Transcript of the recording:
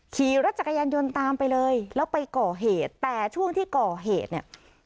ขี่รถจักรยานยนต์ตามไปเลยแล้วไปก่อเหตุแต่ช่วงที่ก่อเหตุเนี่ย